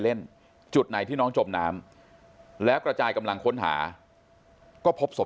เล่นจุดไหนที่น้องจมน้ำแล้วกระจายกำลังค้นหาก็พบศพ